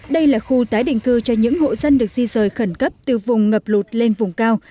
đây là khu tái định cư cho những hộ dân được di rời khẩn cấp từ vùng ngập lụt lên vùng cao